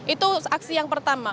itu aksi yang pertama